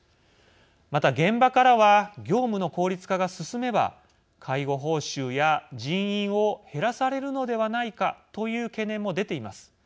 また、現場からは業務の効率化が進めば介護報酬や人員を減らされるのではないかという懸念も出ています。